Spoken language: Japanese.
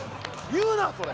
言うなそれ！